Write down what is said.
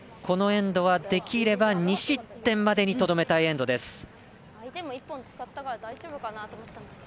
このエンドはできれば２失点までにとどめたいエンドです。